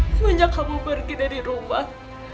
semenjak kamu pergi dari rumah